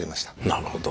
なるほど。